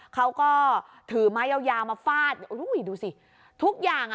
เขาก็ถือไม้ยาวยาวมาฟาดอุ้ยดูสิทุกอย่างอ่ะ